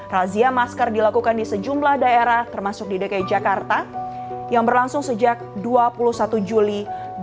razia masker dilakukan di sejumlah daerah termasuk di dki jakarta yang berlangsung sejak dua puluh satu juli dua ribu dua puluh